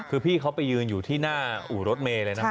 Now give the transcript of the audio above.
คือพี่เขาไปยืนอยู่ที่หน้าอู่รถเมย์เลยนะครับ